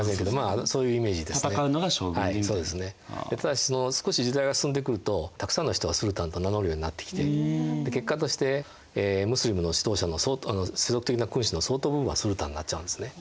ただし少し時代が進んでくるとたくさんの人がスルタンと名乗るようになってきて結果としてムスリムの指導者の世俗的な君主の相当分はスルタンになっちゃうんですね。